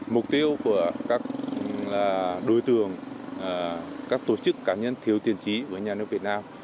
mục tiêu của các đối tượng các tổ chức cá nhân thiếu tiền trí của nhà nước việt nam